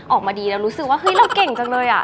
ออกมาดีแล้วรู้สึกว่าเฮ้ยเราเก่งจังเลย